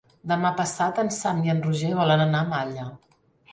Demà passat en Sam i en Roger volen anar a Malla.